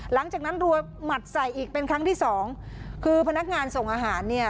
หลังจากนั้นรัวหมัดใส่อีกเป็นครั้งที่สองคือพนักงานส่งอาหารเนี่ย